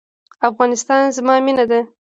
افغانستان زما مینه ده